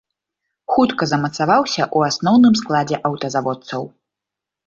Хутка замацаваўся ў асноўным складзе аўтазаводцаў.